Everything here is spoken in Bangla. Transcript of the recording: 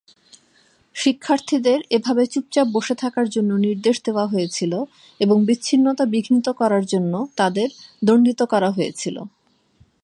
শিক্ষার্থীদের এভাবে চুপচাপ বসে থাকার জন্য নির্দেশ দেওয়া হয়েছিল এবং বিচ্ছিন্নতা বিঘ্নিত করার জন্য তাদের দণ্ডিত করা হয়েছিল।